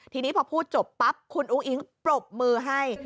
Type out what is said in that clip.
ทีนี้พอพูดจบปั๊บคุณอุ้งอิ๊งปรบมือให้